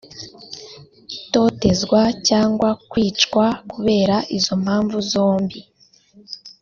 itotezwa cyangwa kwicwa kubera izo mpamvu zombi